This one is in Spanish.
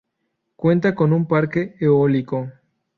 Cuenta con un parque eólico.